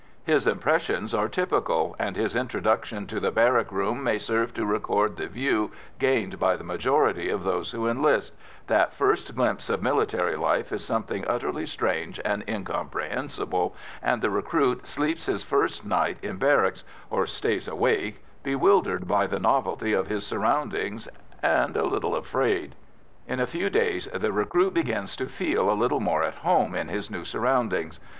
His impressions are typical, and his introduction to the barrack room may serve to record the view gained by the majority of those who enlist: that first glimpse of military life is something utterly strange and incomprehensible, and the recruit sleeps his first night in barracks or stays awake bewildered by the novelty of his surroundings, and a little afraid. In a few days the recruit begins to feel a little more at home in his new surroundings.